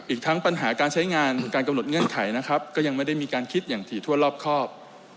อีกทั้งปัญหาการใช้งานหรือการกำหนดเงื่อนไขนะครับก็ยังไม่ได้มีการคิดอย่างถี่ถ้วนรอบครอบ